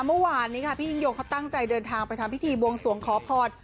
เมื่อวานนี้ค่ะพี่ยิ่งยงเขาตั้งใจเดินทางไปทำพิธีบวงสวงขอพร